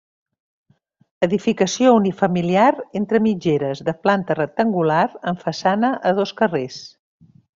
Edificació unifamiliar entre mitgeres de planta rectangular amb façana a dos carrers.